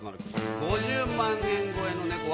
５０万円超えのネコは⁉